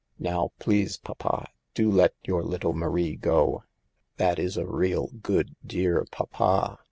Now, please, papa, do let your little Marie go, that is a real, good, dear, papa."